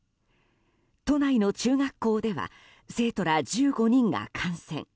都内の中学校では生徒ら１５人が感染。